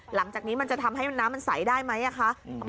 หลังจากนี้มันจะทำให้น้ำมันใสได้ไหมคะ